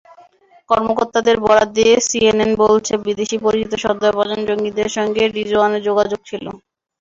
কর্মকর্তাদের বরাত দিয়ে সিএনএন বলছে, বিদেশে পরিচিত সন্দেহভাজন জঙ্গিদের সঙ্গে রিজওয়ানের যোগাযোগ ছিল।